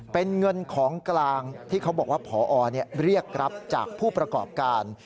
เป็นเงินของกลางที่เขาบอกว่าพอเรียกรับจากผู้ประกอบการ